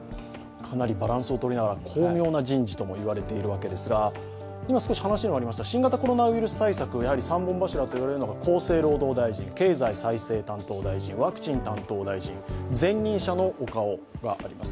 バランスをとりながら巧妙な人事とも言われているわけですが新型コロナウイルス対策、３本柱といわれるのが厚生労働大臣、経済再生担当大臣、ワクチン担当大臣、前任者のお顔があります。